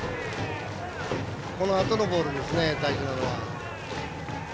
このあとのボールですね大事なのは。